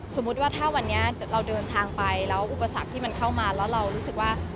สมมุติว่าถ้าวันนี้เราเดินทางไปแล้วอุปสรรคที่มันเข้ามาแล้วเรารู้สึกว่า